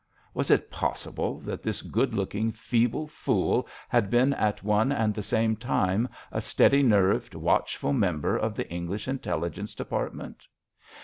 Was it possible that this good looking, feeble fool had been at one and the same time a steady nerved, watchful member of the English Intelligence Department?